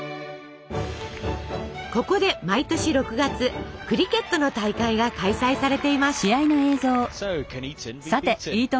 ここで毎年６月クリケットの大会が開催されています。